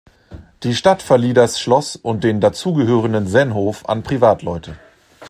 Die Stadt verlieh das Schloss und den dazugehörende Sennhof an Privatleute.